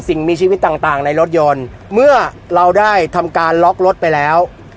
สิ่งมีชีวิตต่างในรถยนต์เมื่อเราได้ทำการล็อกรถไปแล้ว